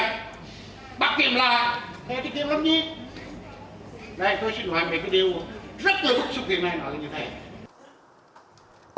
bắt kiếm lại thế thì kiếm lắm nhé đây tôi xin hỏi mấy cái điều rất là bức xúc khi này nói như thế